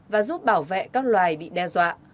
và giúp bảo vệ các loài bị đe dọa